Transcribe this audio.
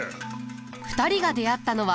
２人が出会ったのは。